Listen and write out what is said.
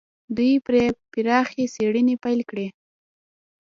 دوی پرې پراخې څېړنې پيل کړې.